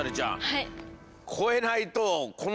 はい。